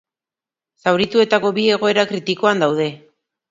Zaurituetako bi egoera kritikoan daude.